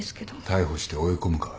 逮捕して追い込むか？